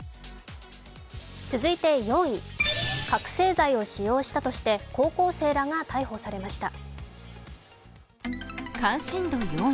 続いて４位覚醒剤を使用したとして高校生らが逮捕されました。